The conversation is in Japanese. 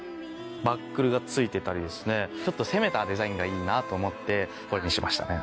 バックルが付いてたりですねちょっと攻めたデザインがいいなと思ってこれにしましたね。